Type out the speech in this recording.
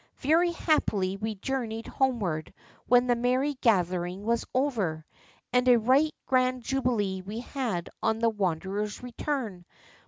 Very happily we journeyed homeward when the merry gathering was over. And a right grand jubilee we had on the wanderer's return.